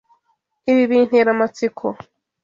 Ibi bintera amatsiko.)